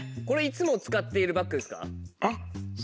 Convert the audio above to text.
これいつも使っているバッグですか？